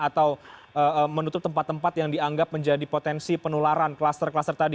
atau menutup tempat tempat yang dianggap menjadi potensi penularan kluster kluster tadi